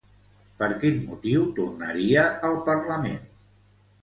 Per quin motiu tornaria al Parlament?